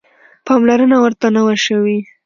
پاملرنه ورته نه وه شوې.